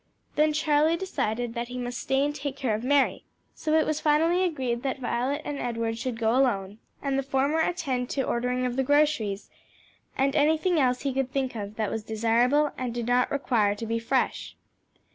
Then Charlie decided that he must stay and take care of Mary; so it was finally arranged that Edward and Violet should go alone, and the former attend to the ordering of the groceries, and anything else he could think of that was desirable and did not require to be fresh.